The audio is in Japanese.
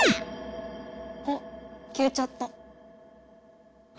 あきえちゃった。